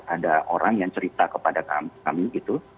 ada orang yang cerita kepada kami gitu